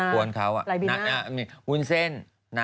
ปวนเขาอ่ะหุ้นเซ่น